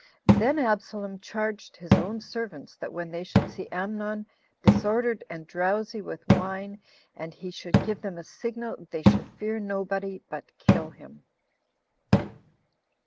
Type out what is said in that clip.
Then Absalom charged his own servants, that when they should see Amnon disordered and drowsy with wine, and he should give them a signal, they should fear nobody, but kill him.